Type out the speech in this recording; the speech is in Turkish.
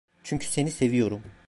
Çünkü seni seviyorum.